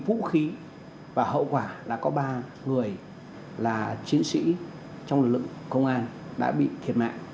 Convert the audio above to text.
vũ khí và hậu quả là có ba người là chiến sĩ trong lực lượng công an đã bị thiệt mạng